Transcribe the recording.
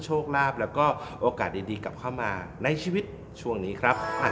โชคลาภแล้วก็โอกาสดีกลับเข้ามาในชีวิตช่วงนี้ครับ